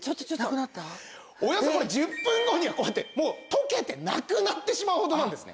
およそ１０分後にはこうやって溶けてなくなってしまうほどなんですね。